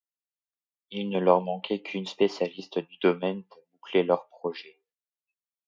Il ne leur manquait qu'une spécialiste du domaine pour boucler leur projet.